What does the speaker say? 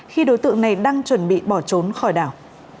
khi đối tượng này đang chuẩn bị bỏ trốn khỏi đảo